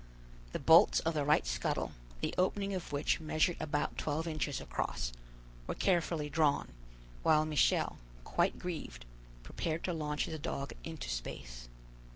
The bolts of the right scuttle, the opening of which measured about twelve inches across, were carefully drawn, while Michel, quite grieved, prepared to launch his dog into space.